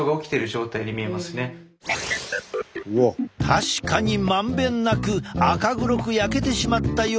確かに満遍なく赤黒く焼けてしまったように見える。